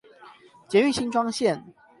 捷運新莊線